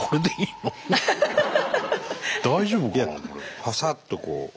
いやパサッとこう。